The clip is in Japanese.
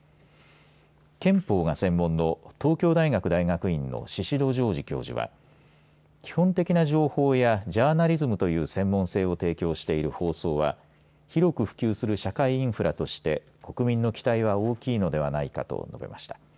憲法が専門の東京大学大学院の宍戸常寿教授は基本的な情報やジャーナリズムという専門性を提供している放送は広く普及する社会インフラとして国民の期待は大きいのではないかと述べました。